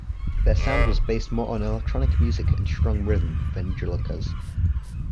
Their sound was based more on electronic music and strong rhythm than Juluka's.